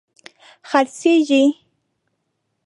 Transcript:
خرڅیږې